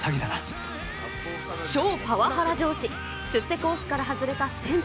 超パワハラ上司、出世コースから外れた支店長。